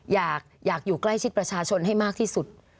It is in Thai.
อยากอยู่ใกล้ชิดประชาชนให้มากที่สุด